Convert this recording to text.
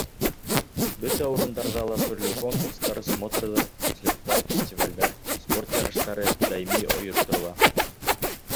Бөтә урындарҙа ла төрлө конкурстар, смотрҙар, слеттар, фестивалдәр, спорт ярыштары даими ойошторола.